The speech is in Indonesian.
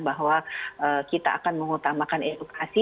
bahwa kita akan mengutamakan edukasi